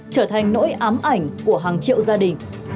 trở thành nỗi ám ảnh của hàng triệu gia đình